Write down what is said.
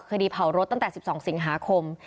คดีเผารถตั้งแต่๑๒สิงหาคม